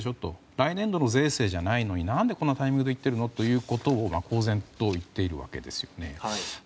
来年度の税制じゃないのに何でこのタイミングで言ってるのということを公然と言っているわけですよね。